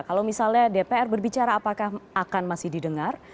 kalau misalnya dpr berbicara apakah akan masih didengar